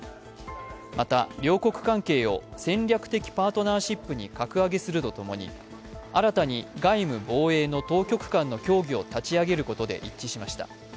また、両国関係を戦略的パートナーシップに格上げするとともに新たに外務・防衛の当局間の協議を立ち上げることで一致しました。